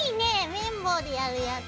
綿棒でやるやつ。